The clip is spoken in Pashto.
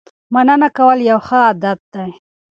مننه کول یو ښه عادت دی.